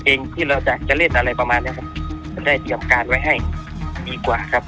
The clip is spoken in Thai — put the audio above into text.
ที่เราจะจะเล่นอะไรประมาณเนี้ยครับจะได้เตรียมการไว้ให้ดีกว่าครับ